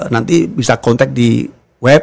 nanti bisa kontak di web